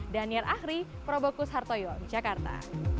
dan niar ahri probokus hartoyo jakarta